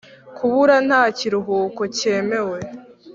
kubura nta kiruhuko cyemewe.